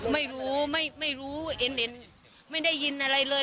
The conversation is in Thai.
ไม่รู้ไม่รู้เอ็นไม่ได้ยินอะไรเลย